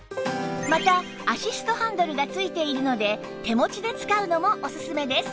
またアシストハンドルが付いているので手持ちで使うのもおすすめです